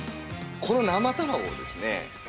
この生卵をですね